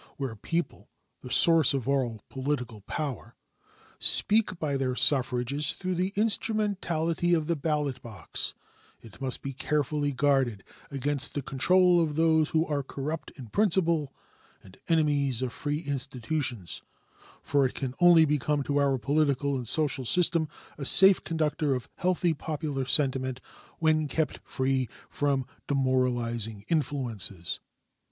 Where a people the source of all political power speak by their suffrages through the instrumentality of the ballot box, it must be carefully guarded against the control of those who are corrupt in principle and enemies of free institutions, for it can only become to our political and social system a safe conductor of healthy popular sentiment when kept free from demoralizing influences.